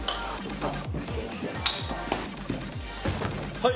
はい！